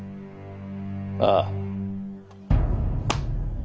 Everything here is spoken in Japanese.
ああ。